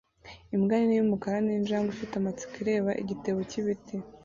Imbwa nini yumukara ninjangwe ifite amatsiko ireba igitebo cyibiti